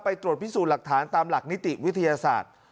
ตรวจพิสูจน์หลักฐานตามหลักนิติวิทยาศาสตร์